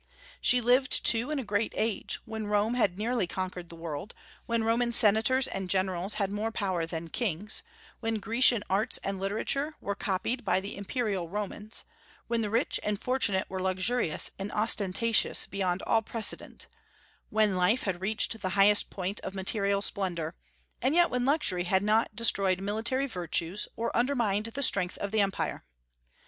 She lived, too, in a great age, when Rome had nearly conquered the world; when Roman senators and generals had more power than kings; when Grecian arts and literature were copied by the imperial Romans; when the rich and fortunate were luxurious and ostentatious beyond all precedent; when life had reached the highest point of material splendor, and yet when luxury had not destroyed military virtues or undermined the strength of the empire.